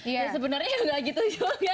ya sebenarnya nggak gitu juga gitu kan